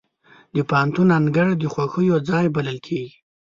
د پوهنتون انګړ د خوښیو ځای بلل کېږي.